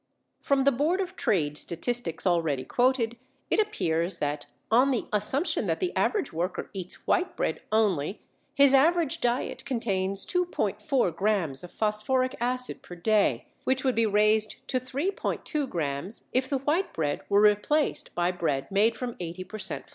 From the Board of Trade statistics already quoted it appears that, on the assumption that the average worker eats white bread only, his average diet contains 2·4 grams of phosphoric acid per day, which would be raised to 3·2 grams if the white bread were replaced by bread made from 80 per cent.